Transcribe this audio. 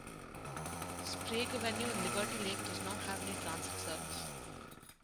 Sprague Avenue in Liberty Lake does not have any transit service.